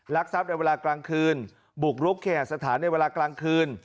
ทรัพย์ในเวลากลางคืนบุกรุกแขกสถานในเวลากลางคืน